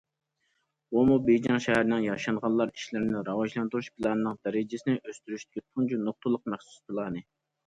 بۇمۇ بېيجىڭ شەھىرىنىڭ ياشانغانلار ئىشلىرىنى راۋاجلاندۇرۇش پىلانىنىڭ دەرىجىسىنى ئۆستۈرۈشىدىكى تۇنجى نۇقتىلىق مەخسۇس پىلانى.